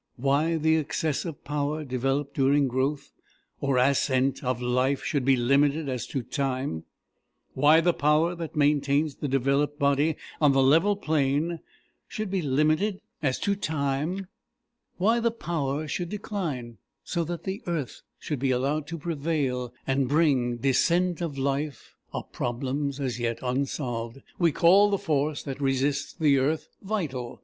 Why the excess of power developed during growth or ascent of life should be limited as to time; why the power that maintains the developed body on the level plain should be limited as to time; why the power should decline so that the earth should be allowed to prevail and bring descent of life, are problems as yet unsolved. We call the force that resists the earth Vital.